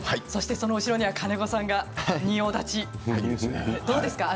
その後ろには金子さんが仁王立ちどうですか。